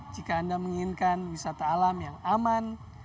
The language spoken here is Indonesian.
jika anda menginginkan wisata alam yang aman